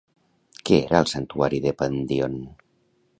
Què era el Santuari de Pandion?